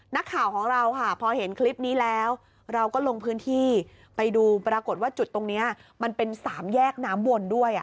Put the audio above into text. นักข่าวของเราค่ะพอเห็นคลิปนี้แล้วเราก็ลงพื้นที่ไปดูปรากฏว่าจุดตรงนี้มันเป็นสามแยกน้ำวนด้วย